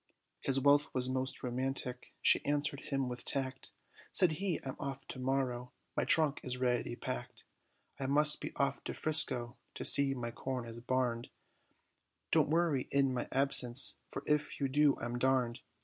His wealth was most romantic, she answered him with tact, Said he, "I'm off to morrow, my trunk is ready packed; I must be off to 'Frisco, to see my corn is barned, Don't marry in my absence, for if you do, I'm darned!